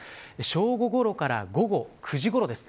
正午ごろから午後９時ごろです。